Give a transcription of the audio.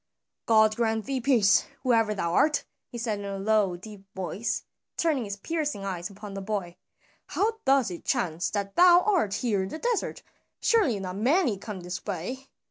"God grant thee peace, whoever thou art!" he said in a low deep voice, turning his piercing eyes upon the boy. "How doth it chance that thou art here in the desert? Surely not many come this way.